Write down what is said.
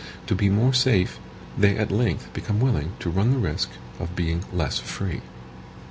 To be more safe, they at length become willing to run the risk of being less free.